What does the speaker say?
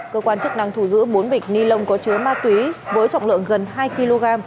cơ quan chức năng thu giữ bốn bịch ni lông có chứa ma túy với trọng lượng gần hai kg